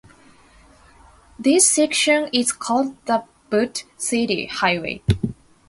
This section is called the Butte City Highway.